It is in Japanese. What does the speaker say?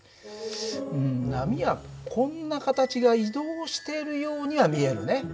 波はこんな形が移動しているようには見えるね。